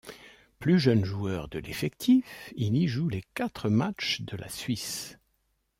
Plus jeune joueur de l'effectif, il y joue les quatre matchs de la Suisse.